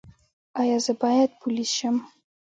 ایا زه باید پولیس شم؟